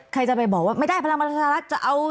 ใครจะไปบอกว่าไม่ได้พลังประชารัฐจะเอา